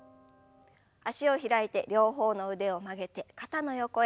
脚を開いて両方の腕を曲げて肩の横へ。